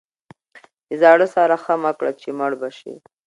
د زاړه سره ښه مه کړه چې مړ به شي.